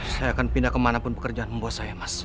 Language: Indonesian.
saya akan pindah kemanapun pekerjaan membuat saya mas